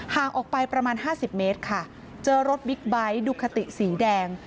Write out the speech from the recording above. ห่างออกไปประมาณ๕๐เมตรค่ะเจอรถบิ๊กไบท์ดูคาติสีแดง